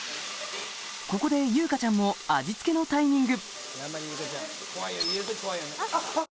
ここで友香ちゃんも味付けのタイミング